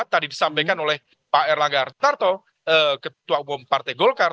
tadi disampaikan oleh pak erlangga artarto ketua umum partai golkar